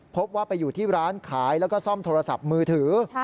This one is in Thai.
พบว่าไปอยู่ที่ร้านขายแล้วก็ซ่อมโทรศัพท์มือถือ